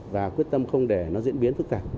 và quyết tâm không để nó diễn biến phức tạp